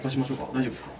大丈夫ですか？